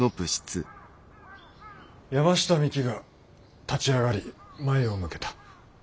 山下未希が立ち上がり前を向けた。